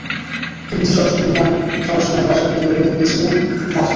টিভিতে সরাসরি নিলাম চলার সময় বাসা থেকে বের হয়ে গিয়েছিলেন নাথু।